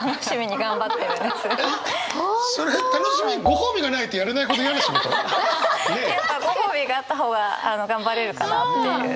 ご褒美があった方が頑張れるかなっていう。